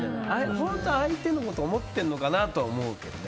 本当に相手のこと思っているのかなと思うけどね。